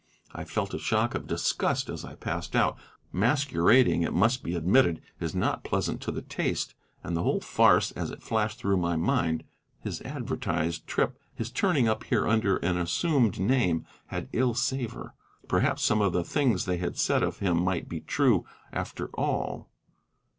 I felt a shock of disgust as I passed out. Masquerading, it must be admitted, is not pleasant to the taste; and the whole farce, as it flashed through my mind, his advertised trip, his turning up here under an assumed name, had an ill savor. Perhaps some of the things they said of him might be true, after all.